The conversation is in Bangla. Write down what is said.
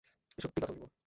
সত্যি কথা বলবো।